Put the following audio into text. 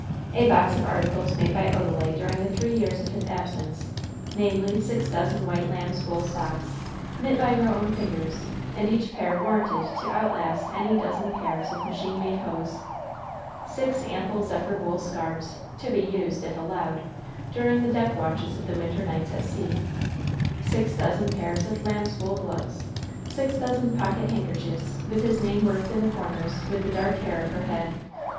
A box of articles made by Odalite during the three years of his absence namely, six dozen white lambs' wool socks, knit by her own fingers, and each pair warranted to outlast any dozen pairs of machine made hose; six ample zephyr wool scarfs, to be used if allowed during the deck watches of the winter nights at sea; six dozen pairs of lambs' wool gloves, six dozen pocket handkerchiefs, with his name worked in the corners with the dark hair of her head.